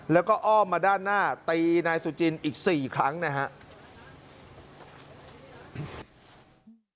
แล้วก็อ้อมมาด้านหน้าตีนายสุจินอีก๔ครั้งนะครับ